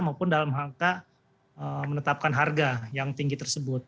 maupun dalam rangka menetapkan harga yang tinggi tersebut